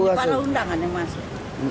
ini para undangan yang masuk